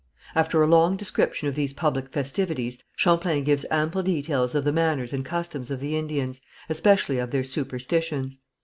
After a long description of these public festivities, Champlain gives ample details of the manners and customs of the Indians, especially of their superstitions.